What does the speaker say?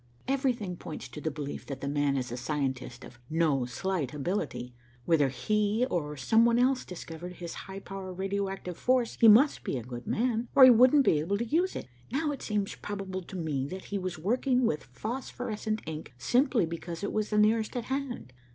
Everything points to the belief that 'the man' is a scientist of no slight ability. Whether he or some one else discovered his high power radio active force, he must be a good man, or he wouldn't be able to use it. Now, it seems probable to me that he was working with phosphorescent ink simply because it was the nearest at hand.